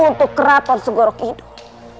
untuk keratan segorok hidup